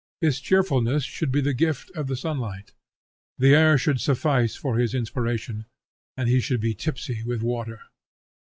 His cheerfulness should be the gift of the sunlight; the air should suffice for his inspiration, and he should be tipsy with water.